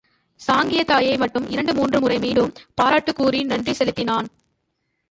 சாங்கியத் தாயை மட்டும் இரண்டு மூன்று முறை மீண்டும் பாராட்டுக் கூறி நன்றி செலுத்தினான்.